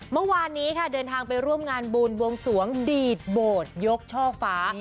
เมื่อวานนี้ค่ะเดินทางไปร่วมงานบุญบวงสวงดีดโบสถ์ยกช่อฟ้า